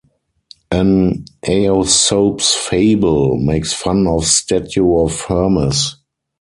An Aesop's fable makes fun of statue of Hermes.